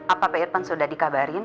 apa pak irfan sudah dikabarin